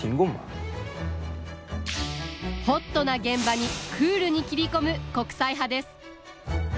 ホットな現場にクールに切り込む国際派です！